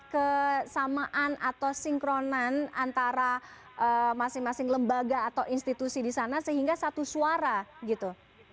kesamaan atau sinkronan antara masing masing lembaga atau institusi di sana sehingga satu suara gitu